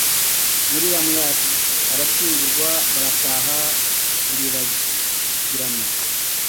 William Yeats arashyingurwa barataha biribagirana.